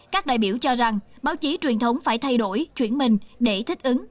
các đại biểu cho rằng báo chí truyền thống phải thay đổi chuyển mình để thích ứng